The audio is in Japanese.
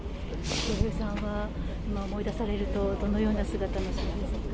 笑瓶さんは今思い出されると、どのような姿の？